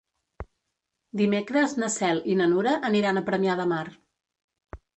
Dimecres na Cel i na Nura aniran a Premià de Mar.